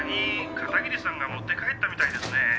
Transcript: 片桐さんが持って帰ったみたいですね。